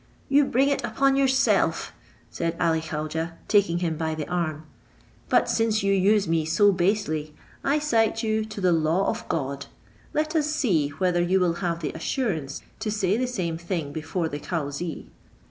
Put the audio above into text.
"You bring it upon yourself," said Ali Khaujeh taking him by the arm; "but since you use me so basely, I cite you to the law of God: let us see whether you will have the assurance to say the same thing before the cauzee."